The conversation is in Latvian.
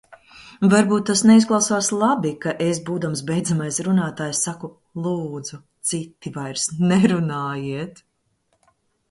Varbūt tas neizklausās labi, ka es, būdams beidzamais runātājs, saku: lūdzu, citi vairs nerunājiet!